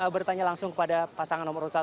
bertanya langsung kepada pasangan nomor satu